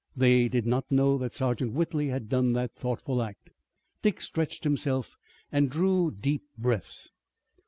They did not know that Sergeant Whitley had done that thoughtful act. Dick stretched himself and drew deep breaths.